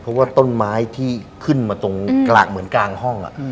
เพราะว่าต้นไม้ที่ขึ้นมาตรงกลางเหมือนกลางห้อง